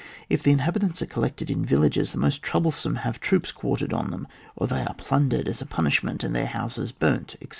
If the inhabitants are collected in villages, the most troublesome have troops quartered on them, or they are plundered as a punishment, and their houses burnt, etc.